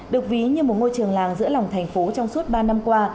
được ví như một ngôi trường làng giữa lòng thành phố trong suốt ba năm qua